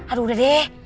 aduh udah deh